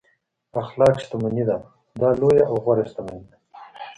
اخلاق شتمني ده دا لویه او غوره شتمني ده.